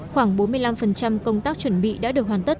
khoảng bốn mươi năm công tác chuẩn bị đã được hoàn tất